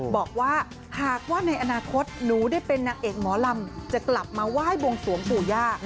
บอกว่าหากว่าในอนาคตหนูได้เป็นนางเอกหมอลำจะกลับมาไหว้บวงสวงปู่ย่า